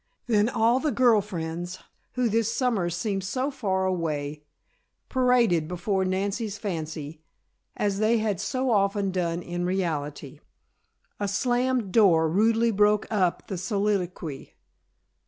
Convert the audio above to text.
Then all the girl friends, who this summer seemed so far away, paraded before Nancy's fancy, as they had so often done in reality. A slammed door rudely broke up the soliloquy.